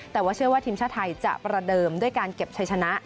แต่ว่าเชื่อว่าทีมชาติไทยจะประเดิมด้วยการเก็บชัยชนะ